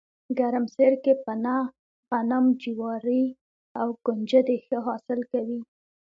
ګرمسیر کې پنه، غنم، جواري او ُکنجدي ښه حاصل کوي